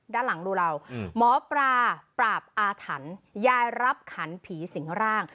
ด้านหลังดูเราหมอปลาปราบอาถรรพ์ยายรับขันผีสิงร่าง